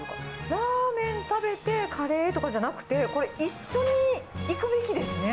ラーメン食べてカレーとかじゃなくて、これ、一緒にいくべきですね。